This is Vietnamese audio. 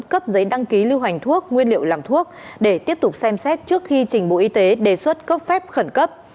cấp giấy đăng ký lưu hành thuốc nguyên liệu làm thuốc để tiếp tục xem xét trước khi trình bộ y tế đề xuất cấp phép khẩn cấp